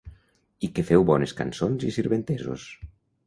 I que feu bones cançons i sirventesos.